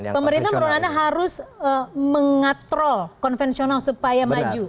pemerintah menurut anda harus mengatrol konvensional supaya maju